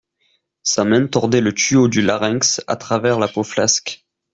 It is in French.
Sa main tordait le tuyau du larynx à travers la peau flasque.